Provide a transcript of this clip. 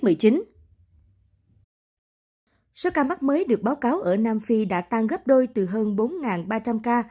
số ca mắc mới được báo cáo ở nam phi đã tăng gấp đôi từ hơn bốn ba trăm linh ca